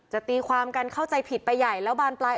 ตีความกันเข้าใจผิดไปใหญ่แล้วบานปลาย